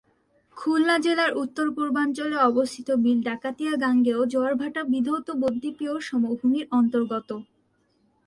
খুলনা জেলার উত্তর-পূর্বাঞ্চলে অবস্থিত বিল ডাকাতিয়া গাঙ্গেয় জোয়ারভাটা বিধৌত বদ্বীপীয় সমভূমির অন্তর্গত।